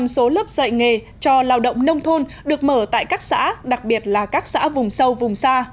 chín mươi số lớp dạy nghề cho lao động nông thôn được mở tại các xã đặc biệt là các xã vùng sâu vùng xa